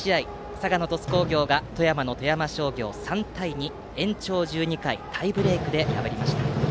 佐賀の鳥栖工業が富山の富山商業を３対２延長１２回タイブレークで破りました。